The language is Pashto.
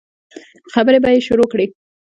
خبرې به يې شروع کړې.